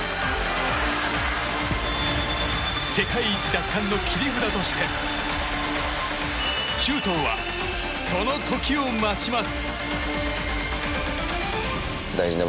世界一奪還の切り札として周東は、その時を待ちます。